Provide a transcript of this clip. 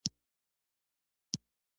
یوه ډله د لویانو سیمه ییزې لوبې لیست کړي.